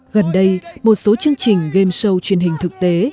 gần đây một số chương trình game show truyền hình thực tế